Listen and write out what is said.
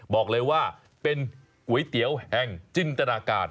บอกเลยว่าเป็นก๋วยเตี๋ยวแห่งจินตนาการ